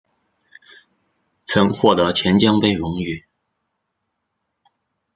曾获得钱江杯荣誉。